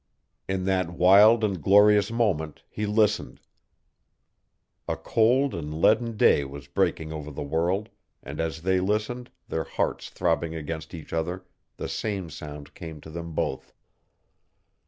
In that wild and glorious moment he listened. A cold and leaden day was breaking over the world and as they listened their hearts throbbing against each other, the same sound came to them both.